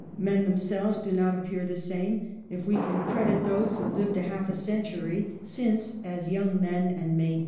Men themselves do not ap pear the same, if we can credit those who lived a half a century since as young men and maidens.